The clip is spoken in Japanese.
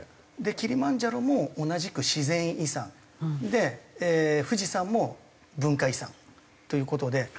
キリマンジャロも同じく自然遺産で富士山も文化遺産という事で。